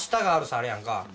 あるやんか。